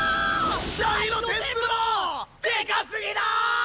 大露天風呂でかすぎだ！